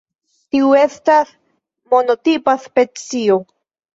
Tiu estas monotipa specio.